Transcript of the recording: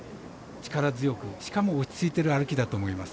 力強くしかも落ち着いている歩きだと思います。